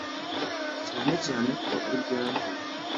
cyane cyane ko aribyo yansabye